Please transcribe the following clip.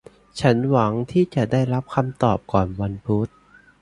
ฉันหวังที่จะได้รับคำตอบก่อนวันพุธ